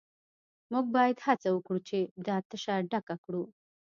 موږ باید هڅه وکړو چې دا تشه ډکه کړو